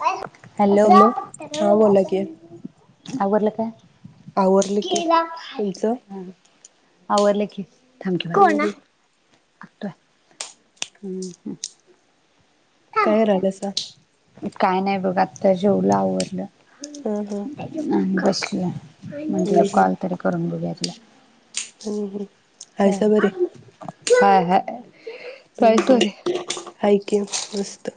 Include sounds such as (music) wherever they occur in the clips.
अ (unintelligible) hello, हा बोला की आवरलय काय? आवरलं की तुमचं (inaudible) आवरलं की थांब की हम्म कोणाय हम् आतुय, हम्म हम् काय रायलसा? काय नाही बघ, आत्ता जेवलो आवरडलं हा हा ह- बस (inaudible) क (unintelligible) म्हंटलं, हम्म हम् कॉल तरी करून बघूयात हम्म हम् (unintelligible) हम् हाय हाय काय हम् सॉरी हम् हाय की मस्त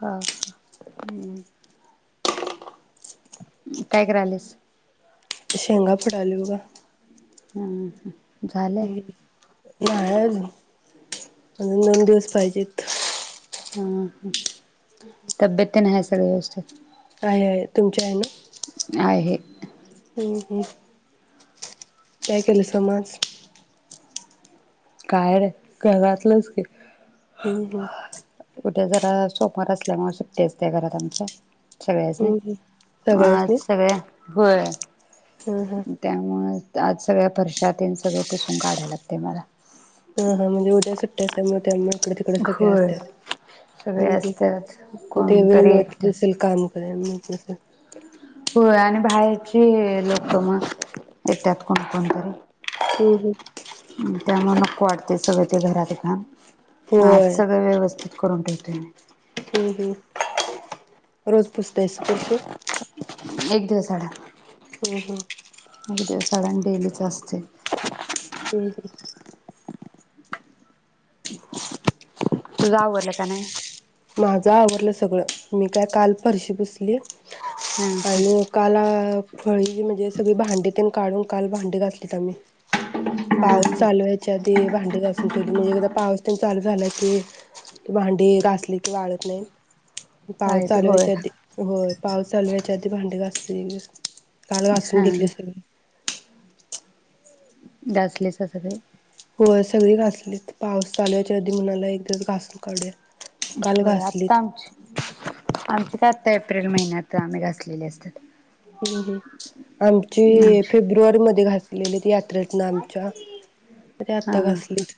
हा, ह हम्म काय करायलीस? शेंगा फोडायलोय ग हम् हम् झालें नाय अजून, अजून दोन दिवस पाहिजेत. हम हम तब्येतीन हायस (unintelligible) आहे, आहे तुमच्या हाय ना आहे हम्म हम्म काय केलंस म आज? काय नाय घरातलंच केलं हम्म हम्म कुठे जरा सोपा नसल्यामुळे सुट्टीच असते घरात आमच्या सगळ्यासनी हम्म हम्म आज सगळ्यासनी सगळ्या व्हय हा हा त्यामुळ आज सगळ्या फरशा तेन सगळं पुसून काढायला लागतय मला (unintelligible) मग तिकडे सगळे होय असत्यात सगळे हम्म हम्म असतात मग ते वेळ कोणतरी मिळत येतात नसेल काम (unintelligible) होय आणि बाहेरची लोक मग येत्यात कोण कोण घरी हम्म हम्म. त्यामुळ नको वाटतय सगळं ते घरातल काम आज होय सगळं व्यवस्थित करून ठेवते मी. हम्म हम्म रोज पुसतेस फरशी एक हम्म हम्म. मग देव साडण डेलीच असतय. हम्म हम्म तूज आवरलं का नाय? माझं आवरलं सगळं मी काय काल फरशी फुसली. हां हां आणि एकाला फळी म्हणजे सगळी भांडी पण काढून काल भांडी घातलीत आम्ही हां पाऊस हां चालू व्हायच्या आधी भांडी घासून ठेवली म्हणजे एकादा पाऊस पण चालू झाल की की भांडी घासली वाळत नाही. पाऊस चालतं चालू व्हायच्या होय आधी होय पाऊस चालू व्हायच्या आधी भांडी घासते ग काल घासून हा घेतली सगळी. घासले सगळे होय सगळी घासलीत पाऊस चालू व्हायच्या आधी म्हणलं की एक दिवस घासून काढू या. होय आता आमची, आमची आता एप्रिल महिन्यात आम्ही घासलेली असतात. हम्म हम्म आमची आमचे फेब्रुवारी मध्ये घास गेले ते यात्रेत न आन चहा. ते हा आत्ता हा घासलीत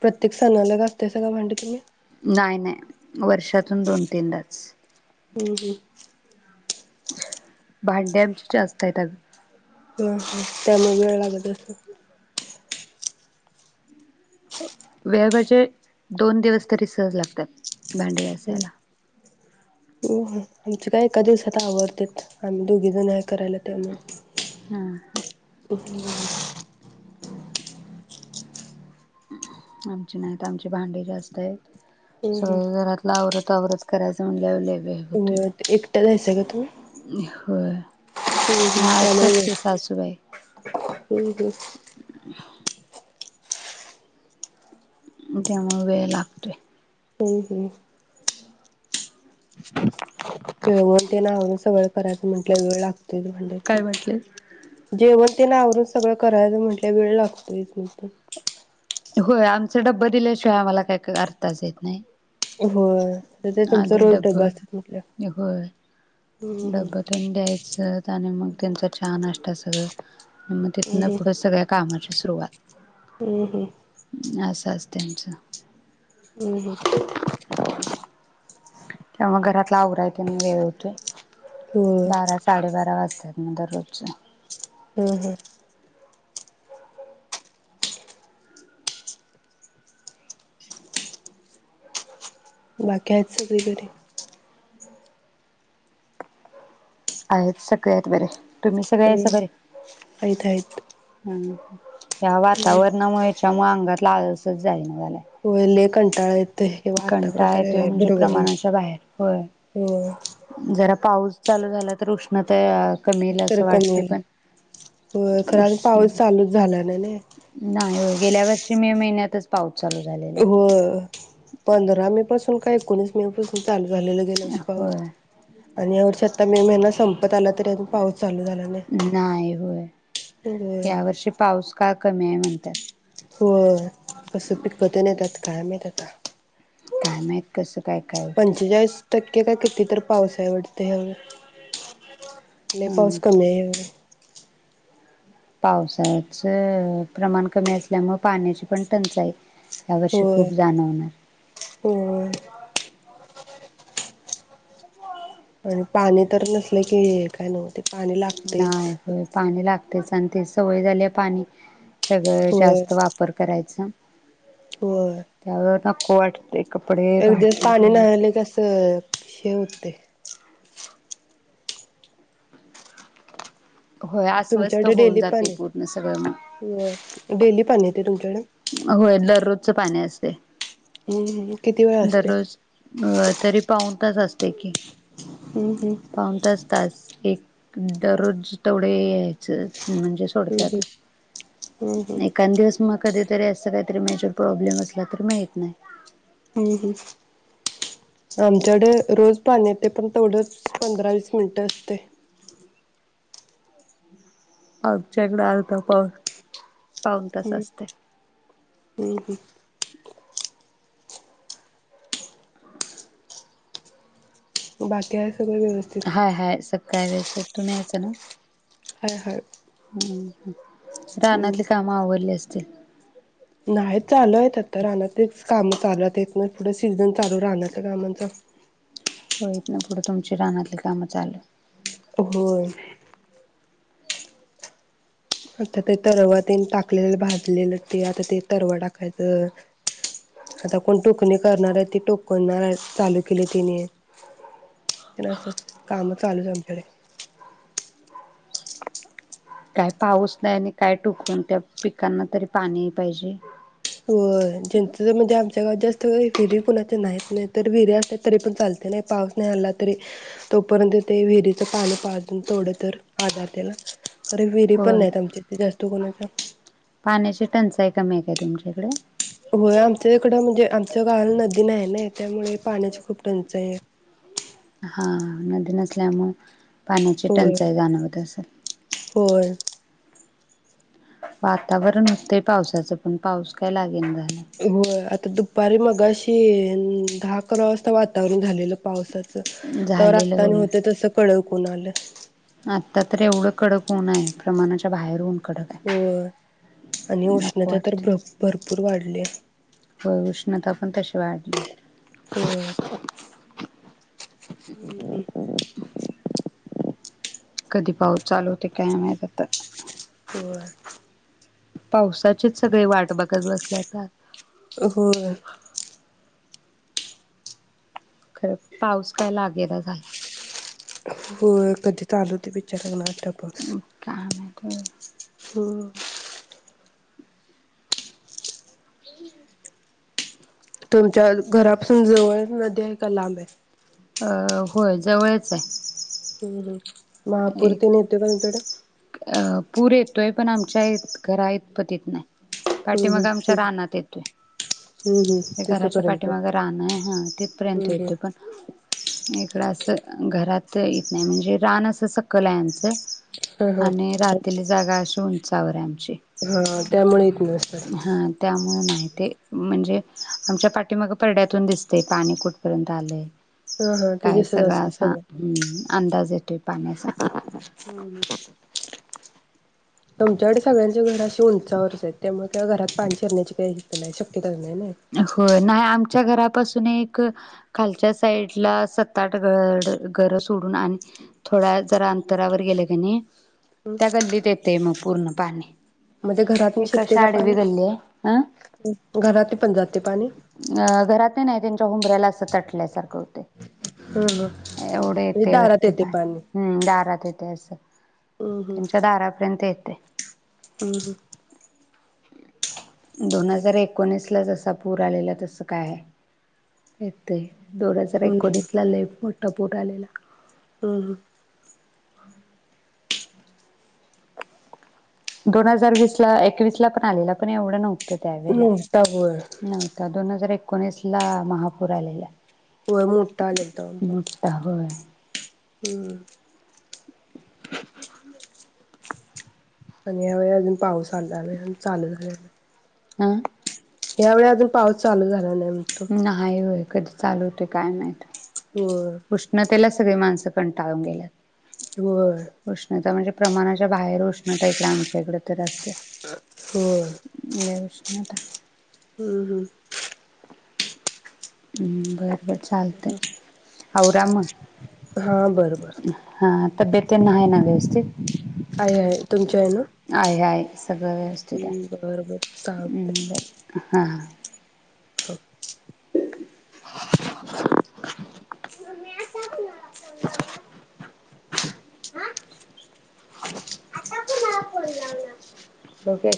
प्रत्येक सणाला घासताय सा काय भांडी तुम्ही? नाही नाही वर्षातून दोन तीनदाच हम्मं हम्मं. भांडे आमची जास्त आहेत अगं. ह ह त्यामुळे (inaudible) वेळ म्हणजे, दोन दिवस तरी सहज लागत्यात. भांडी घासायला. हम हम्म. आमचं काय एका दिवसात आवरत्यात. आम्ही दोघी जण हाय. करायला त्यामुळं. हा ह. आमची नाहीत. आमची भांडी जास्त हाईत. हम्म सगळं घरातलं आवरत कवर्रत करायचं म्हनल्यावर लई हु व्हय एकट्यास हायसा काय तूमी? होय. हम्म हम्म नाही असतात चालेल. की सासूबाई हम्म हम्म. त्यामुळं वेळ लागतोय. हम हम. (unintelligible) केळवन तेन आवरून सगळं करायचं म्हटलं वेळ ला काय म्हटले जेवण ते नावरून सगळं करायच म्हंटल्या वेळ लागतोयच त होय आमचा डब्ब दिल्याशिवाय आम्हाला काही का अर्थच येत नाही. होय ते तुमचा आधी रोज डब्ब. डबा असतात म्हटल्यावर होय हम्म डब्बतेन द्यायचंत आणि मग त्यांचा च्या नाष्टा सगळं म तिथनं पुढं सगळ्या कामाची सुरुवात हम् हम. असं असतंय आमचं. हं हम्म. त्यामुळं घरातलं आवराय तेन वेळ हुतोय. होय बारा, साडे-बारा वाजता. त्यानंतर रोजचं. हम्म हम. बाकी आहेत सगळी बरी? आहेत सगळे आहेत बरे. तुम्ही सगळे हम्म आहेस बरी आहेत आहेत ह वातावरणामुळेच्यामुळे अंगात लालसच जाईना झालाय. होले कंटाळ कंटाळा येतोय म्हणजे प्रमाणाच्या बाहेर होय होय जरा पाऊस चालू झाला तर उष्णता कमी येईल तर असं कमी वाटते होइल पण होय खर उष्ण पाऊस चालूच झाला नाही नी. नाही होय गेल्या वर्षी मे महिन्यातच पाऊस. चालू झालेला. हो. पंधरा मे पासून काय एकोणीस मे पासून चालू झालेलं गेला वर्षी पाऊस होय आणि या वर्षात? आता मे महिना संपत आला तरी अजून पाऊस चालू झाला नाही होय नाही या वर्षी पाऊस का कमी आहे म्हणत्यात. होय. कसं पिकतेन येतात. काय माहित आाता? काय माहित कस? पंचेचाळीस टक्के. किती तर पावस आहे वाटतंय ह्या वर्षी लई हम्म पाऊस कमी हाय ह्या वेळी. पावसाच प्रमाण कमी असल्यामुळे पाण्याची पण टंचाई. यावर्षी होय खूप जाणवणार. पण पाणी तर नसले की काय नव्हते. नाही होय पाणी लागतयच. आणि ते सवय झाल्या पाणी सगळं होय जास्त वापर करायचा. होय त्यामुळे (unintelligible) वट. एक दिवस पाणी नाही आलकी आस हे होतय. होय अस्वस्थ तुमच्याकडे होऊन डेली जाते पाणी पूर्ण सगळं मग येतय डेली पाणी येतय तुमच्याकड होय दररोजचं पाणी असतय हम्म हम्म किती वेळा असते दररोज अ तरी पाऊन तास असतय की हम्म हम्म पाऊनतास तास एक दररोज तेवढ ये यायचं म्हणजे हम्म सोडत्यातच, हम्म हम्म एकांद दिवस मग कधीतरी अस काहीतरी मेजर प्रॉब्लेम असला तर माहीत नाही हम्म हम् आमच्याकडे रोज पाणी येतय पण तेवढंच पंधरा वीस मिनटं असतय. आमच्या कड अर्धा -पाउन पाऊन तास हम्म असतय. हम्म बाकी आहिस सगळ व्यवस्थित? काय व्यवस्थित, तुम्ही हायसा नव्हं? हाय हाय हम हम्म रानातली कामं आवरली असतील? नाही आहेत चालू आता हितन पुढ सीझन चालु रानातल्या कामांचा होय इथणं पुढ तुमची रानातली कामं चालू होय आता ते तरवा तने टाकलेलं भाजलेलं ते आता ते तरवा टाकायचं, आता कोण टोकणी करणार आहय ते टोकणार हाय चालू केले तिन अस काम चालू आमच्याडे काय पाऊस नाही आणि काय टोकून त्या पिकांना तरी पाणी पाहिजे. होय ज्यांच म्हणजे आमच्या गावात जास्त विहिरी कुणाचे नाहीत नाही तर विहिरी असल्या तरी पण चालते नाही पाऊस नाही आला तरी तोपर्यंत ते विहिरीच पाणी पाजून थोड तर आधार त्याला अरे विहिरी पण होय नाहीत आमच्या इथे तर इथ कुणाच्या पाण्याची टंचाई कमी आहे काय तुमच्याकड होय आमच्या इकडं म्हणजे आ आमच्या गावाला नदी नाहय नाई त्यामुळे पाण्याची खूप टंचाई आहे. हा नदि नसल्यामुळ पाण्याची होय टंचाई जाणवत असल होय. वातावरण होतंय पावसाचं पण पाऊस काय लागेना झा होय आता दु दुपारी मगाशी दहा -अकरा वाजता वातावरण झालेलं पावसाच तवर झालेलं आता आणि होय होते तस कळ ऊन आलं. आता तर एवढं कडक ऊन आय प्रमाणाच्या बाहेर ऊन कडक होय आणि आहे नको उष्णता तर भृ वाटतंय भरपूर वाढल्या नंतर पण तशी वाढली होय हम्म हम्म कधी पाऊस चालू होतोय काय माहित आता होय पावसाचेच सगळे वाट बघ गप बसलयात आत होय खरं पाऊस काय लागेना झालाय. होय कधी चालु होतोय बिचारा खुनाला ठाऊक. काम आहे. हो (unintelligible) हो. (inaudible) तुमच्या घरापासून जवळ नदी आहे का लांब आहे. अ होय जवळच आहे. हम्म हम्म महापूर तेन एक येतोय काय तुमच्याकडं. पूर येतोय पण आमच्या घरा इतपतीत येत नाही. हम्म पाठीमाग हम्म आमच्या ठीक रानात येतोय. हम्म हम्म घराच्या तिथपर्यंत पाठीमाग रान आहे. हा तिथपर्यंत हम्म हम्म येतोय. पण? इकडं असं घरात येत नाही म्हणजे रान असं सकल आहे आमच. ह (inaudible) आणि राहतेली जागा असून चचाौरा्याम (unintelligible) हा त्यामुळे येत नस हा त्या माहिती आहे ते म्हणजे आमच्या पाठीमाग परड्यातून दिसते पाणी कुठपर्यंत आलय. हा हा ते काय दिसत सगळं असते असा हम् अंदाज येत ते पाण्यासा हम ह (unintelligible) तुमच्याकडे सगळ्यांच्यी घर अशी उंचावरच आहेत. त्यामुळे ते घरात पाणी शिरण्याची काही नाही शक्यता हो नाही आम च्या घरापासून एक खालच्या साईड ला सत -आठ गड घर सोडून आणि थोड्या जरा अंतरावर गेलं कणी त्या गल्लीत येतेय मग. पूर्ण पाणी. म ते घरातून एक अशी शिरते का आडवी पाणी गल्ली आहे घरातणी पण जात अ घरात नाही त्यांच्या ऊबंऱ्याला असं तटल्यासारखं होतय. हं हं एवढं म्हणजे येतय दारात वरती येते पाणी हम् दारात येतय असं त्यांच्या दारापर्यंत येत. ते - हम हम. दोन हजार एकोणीस ला जसा पूर आलेला तस काय येतय दोन हजार हं एकोणीस ला लई मोठ टपोट आलेला हम् ह हम दोन हजार वीस ला एकवीस ला पण आलेलं पण एवढं नव्हत हं त्यावेळेला, मोठा होय नव्हता दोन् हजार एक एकोणीस ला महापूर आलेला व्हय मोठा आलेल त हम् मोठा होय (inaudible) आणि ह्यावेळी अजून पाऊस आला नाय अन् चालू झाला नाय. आ यावेळे अजून पाऊस चालू झाला नाही म्हणतो नाही व्हय कधी चालू होते काय माहित? होय उष्णतेला सगळी माणसं पण कंटाळून गेल्यात? होय उष्णता म्हणजे प्रमाणाच्या बाहेर उष्णता इकडें आमच्या इकड तर असते होय. (inaudible) हम्म हम्म हम्म, बर बर चालतय आवरा म हा बरोबर तब्येत तेन हाय ना व्यवस्थित आहे आहे, तुमच्या आहे ना.? आहे आहे सगळं व्यवस्थित् ये हम्म बरं बरं चालतंय हम, बर हा हो (unintelligible) फ ला आताला कोणाला फोन लावणार?